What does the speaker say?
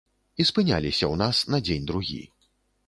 І спыняліся ў нас на дзень-другі.